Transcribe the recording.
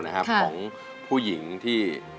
ของผู้หญิงที่